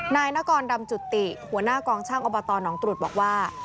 นายนกรดำจุติหัวหน้ากองช่างอบตหนองตรุษบอกว่า